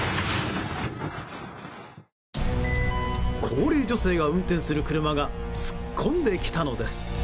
高齢女性が運転する車が突っ込んできたのです。